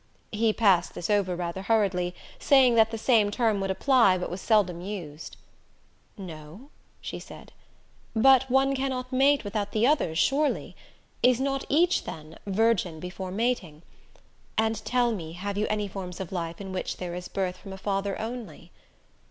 He passed this over rather hurriedly, saying that the same term would apply, but was seldom used. "No?" she said. "But one cannot mate without the other surely. Is not each then virgin before mating? And, tell me, have you any forms of life in which there is birth from a father only?"